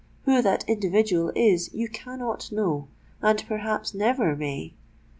Who that individual is, you cannot know—and perhaps never may.